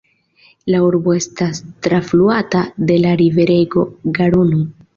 La urbo estas trafluata de la riverego Garono.